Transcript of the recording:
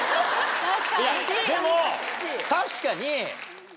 いやでも確かに。